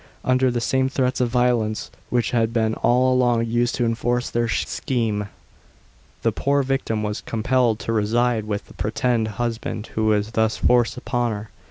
Under the same threats of violence, which had been all along used to enforce their scheme, the poor victim was compelled to reside with the pretended husband who was thus forced upon her.